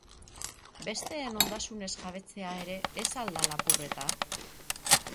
Besteen ondasunez jabetzea ere ez al da lapurreta?